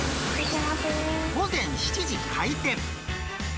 午前７時開店。